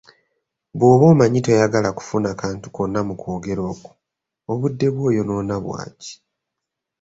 Bw'oba omanyi toyagala kufuna kantu konna mu kwogera okwo, obudde bwo oyonoona bwaki?